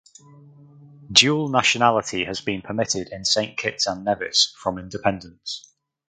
Dual nationality has been permitted in Saint Kitts and Nevis from independence.